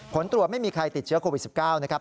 ผลตรวจไม่มีใครติดเชื้อโควิด๑๙นะครับ